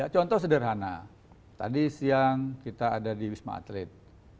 contoh sederhana tadi siang kita ada di wisma atlet